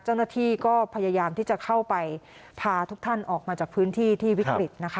เจ้าหน้าที่ก็พยายามที่จะเข้าไปพาทุกท่านออกมาจากพื้นที่ที่วิกฤตนะคะ